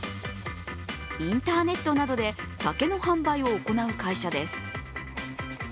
インターネットなどで酒の販売を行う会社です。